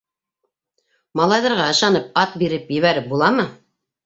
Малайҙарға ышанып ат биреп ебәреп буламы?